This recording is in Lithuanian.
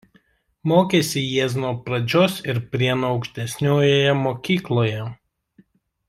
Mokėsi Jiezno pradžios ir Prienų aukštesniojoje mokykloje.